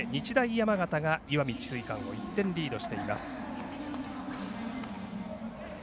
山形が石見智翠館を１点リードしています。